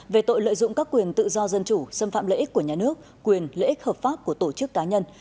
về tội lợi dụng các quyền tự do dân chủ xâm phạm lợi ích của nhà nước quyền lợi ích hợp pháp của tổ chức cá nhân